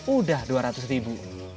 udah dua ratus ribu